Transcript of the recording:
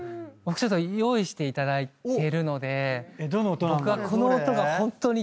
ちょっと用意していただいてるので。